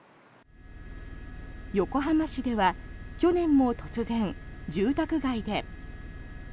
横浜市では去年も突然、住宅街で。